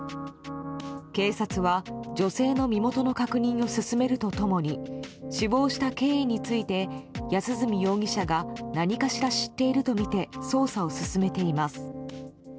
警察は女性の身元の確認を進めると共に死亡した経緯について安栖容疑者が何かしら知っているとみて捜査を進めています。